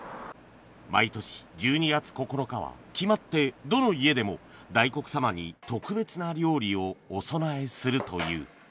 毎年１２月９日は決まってどの家でも大黒様に特別な料理をお供えするという